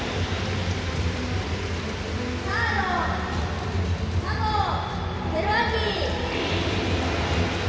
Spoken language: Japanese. サード、佐藤輝明。